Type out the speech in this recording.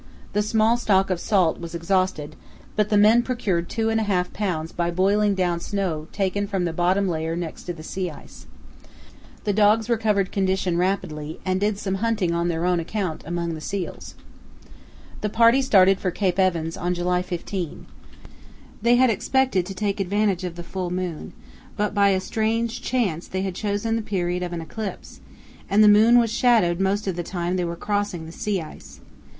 The small stock of salt was exhausted, but the men procured two and a half pounds by boiling down snow taken from the bottom layer next to the sea ice. The dogs recovered condition rapidly and did some hunting on their own account among the seals. The party started for Cape Evans on July 15. They had expected to take advantage of the full moon, but by a strange chance they had chosen the period of an eclipse, and the moon was shadowed most of the time they were crossing the sea ice.